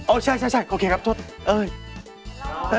โอ้ใช่โอเคครับโทษ